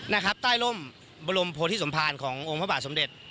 นะครับใต้ร่มบรมโพธิสมภารขององค์พระบาทสมเด็จ